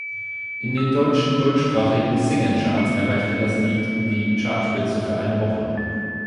In den deutschen deutschsprachigen Singlecharts erreichte das Lied die Chartspitze für eine Woche.